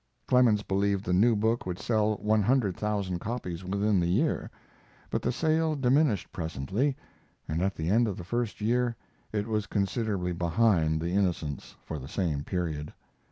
Clemens believed the new book would sell one hundred thousand copies within the year; but the sale diminished presently, and at the end of the first year it was considerably behind the Innocents for the same period.